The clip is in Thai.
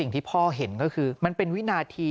ที่พ่อเห็นก็คือมันเป็นวินาที